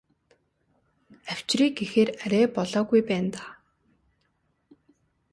Авчиръя гэхээр арай болоогүй байна даа.